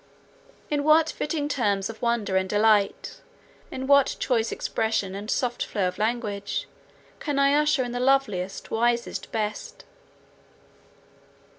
In what fitting terms of wonder and delight, in what choice expression and soft flow of language, can I usher in the loveliest, wisest, best?